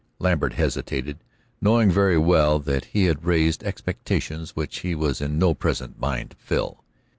Lambert hesitated, knowing very well that he had raised expectations which he was in no present mind to fill.